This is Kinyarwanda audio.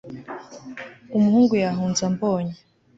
Umuhungu yahunze ambonye